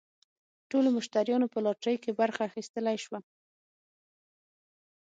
ټولو مشتریانو په لاټرۍ کې برخه اخیستلی شوه.